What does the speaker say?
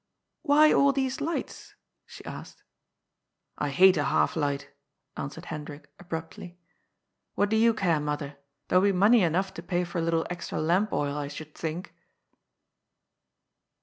" Why all these lights?" she asked. "I hate a half light," answered Hendrik abruptly. " What do you care, mother? There'll be money enough to pay for a little extra lamp oil, I should think."